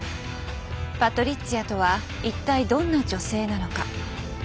パトリッツィアとは一体どんな女性なのか。